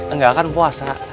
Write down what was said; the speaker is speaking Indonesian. enggak akan puasa